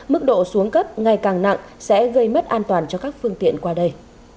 mức độ xuống cấp ngày càng nặng sẽ gây mất an toàn cho các phương tiện qua đây